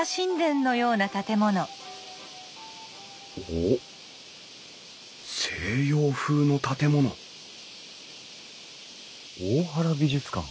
おっ西洋風の建物大原美術館。